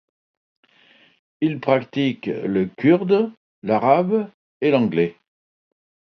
Il pratique le kurde, l'arabe et l'anglais.